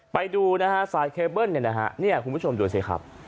ไปดูนะฮะสายเคเบิ้ลเนี่ยนะฮะเนี่ยคุณผู้ชมดูสิครับ